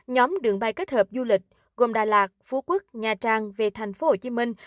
nhóm đường bay kết hợp du lịch gồm đà lạt phú quốc nha trang về thành phố hồ chí minh